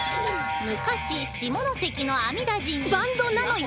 昔下関の阿弥陀寺に。